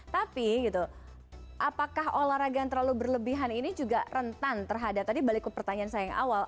tapi apakah olahraga yang terlalu berlebihan ini juga rentan terhadap tadi balik ke pertanyaan saya yang awal